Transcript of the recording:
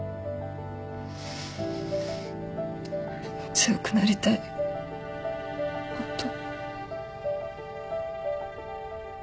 強くなりたいもっと。